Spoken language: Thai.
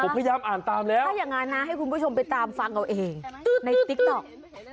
ผมพยายามอ่านตามแล้วถ้าอย่างนั้นนะให้คุณผู้ชมไปตามฟังเอาเองในติ๊กต๊อก